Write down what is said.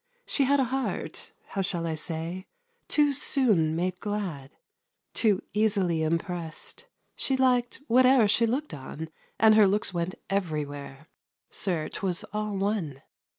She had A heart how shall I say too soon made glad, Too easily impressed; she liked whate'er She looked on, and her looks went everywhere. Sir, 'twas all one!